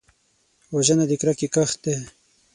وژنه د کرکې کښت دی